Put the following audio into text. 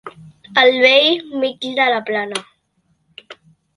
Al bell mig de la plana.